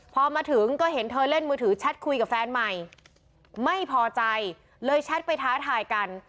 พอมาถึงก็เห็นเธอเล่นมือถือแชทคุยกับแฟนใหม่ไม่พอใจเลยแชทไปท้าทายกัน